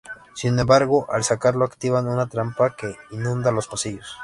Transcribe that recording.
Sin embargo, al sacarlo activan una trampa que inunda los pasillos.